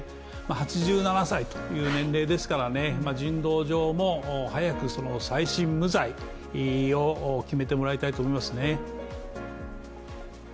８７歳という年齢ですからね、人道上も早く再審無罪を決めてもらいたいと思いますね。